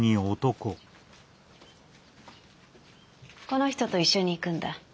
この人と一緒に行くんだ。